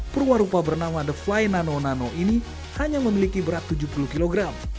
perwarupa bernama the fly nano nano ini hanya memiliki berat tujuh puluh kg